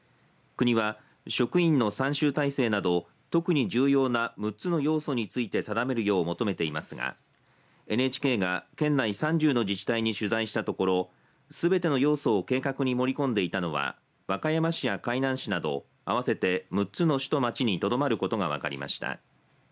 国は、職員の参集体制など特に重要な６つの要素について定めるよう求めていますがＮＨＫが、県内３０の自治体に取材したところすべての要素を計画に盛り込んでいたのは和歌山市や海南市など合わせて６つの市と町にとどまること分かりました。